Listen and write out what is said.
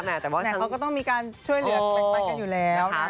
เนี่ยคงก็ต้องมีการช่วยเลือกตั้งปันอยู่แล้วนะ